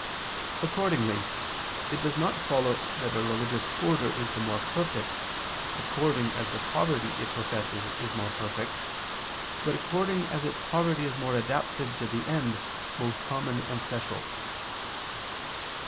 Accordingly it does not follow that a religious order is the more perfect, according as the poverty it professes is more perfect, but according as its poverty is more adapted to the end both common and special.